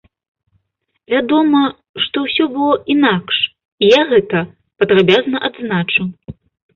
Вядома, што ўсё было інакш, і я гэта падрабязна адзначыў.